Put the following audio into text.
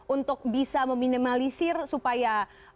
untuk bisa meminimalisir supaya